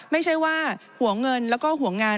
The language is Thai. ไม่ใช่ว่าหัวเงินแล้วก็หัวงาน